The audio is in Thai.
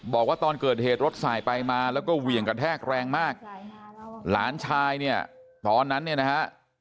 บอกว่าตอนเกิดเหตุรถสายไปมาแล้วก็เหวี่ยงกระแทกแรงมากหลานชายเนี่ยตอนนั้นเนี่ยนะฮะ